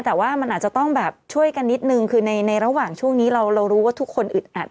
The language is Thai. แต่ว่ามันอาจจะต้องแบบช่วยกันนิดนึงคือในระหว่างช่วงนี้เรารู้ว่าทุกคนอึดอัด